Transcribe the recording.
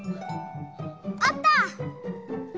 あった！